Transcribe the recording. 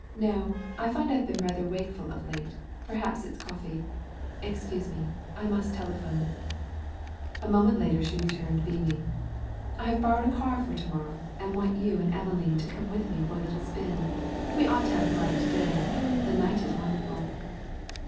"No. I find I've been rather wakeful of late: perhaps it's coffee. Excuse me. I must telephone." A moment later she returned beaming. "I have borrowed a car for tomorrow, and I want you and Emelene to come with me for a little spin. We ought to have a bright day; the night is wonderful.